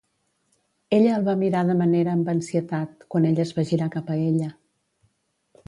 Ella el va mirar de manera amb ansietat, quan ell es va girar cap a ella.